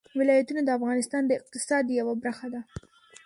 ولایتونه د افغانستان د اقتصاد یوه برخه ده.